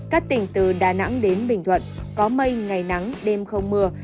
các tỉnh từ đà nẵng đến bình thuận có mây ngày nắng đêm không mưa